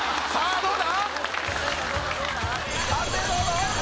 どうだ？